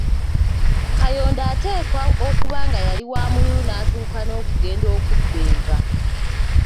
Kayondo ateekwa okuba nga yali wa mululu n’atuuka n’okugenda okubba enva.